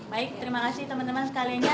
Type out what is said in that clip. baik terima kasih teman teman sekalian